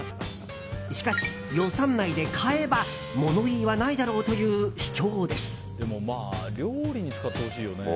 しかし、予算内で買えば物言いはないだろうという主張です。